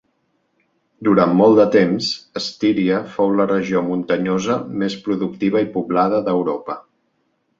Durant molt de temps, Estíria fou la regió muntanyosa més productiva i poblada d'Europa.